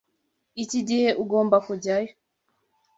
Iki gihe ugomba kujyayo.